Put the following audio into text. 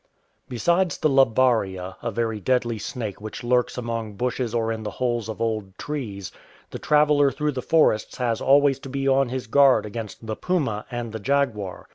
Besides the labaria, a very deadly snake which lurks among bushes or in the holes of old trees, the traveller tlu'ough the forests has always to be on his guard against the puma and the jaguar.